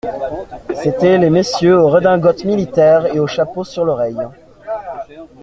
C'étaient les messieurs aux redingotes militaires et aux chapeaux sur l'oreille.